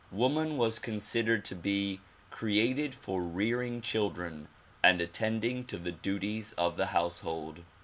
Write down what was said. Woman was considered to be created for rearing children and attending to the duties of the household.